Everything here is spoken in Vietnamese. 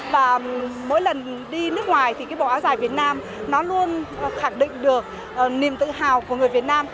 và mỗi lần đi nước ngoài thì cái bộ áo dài việt nam nó luôn khẳng định được niềm tự hào của người việt nam